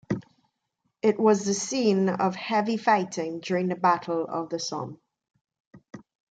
It was the scene of heavy fighting during the Battle of the Somme.